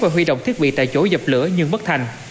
và huy động thiết bị tại chỗ dập lửa nhưng bất thành